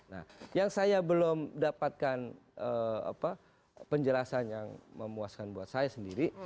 nah yang saya belum dapatkan penjelasan yang memuaskan buat saya sendiri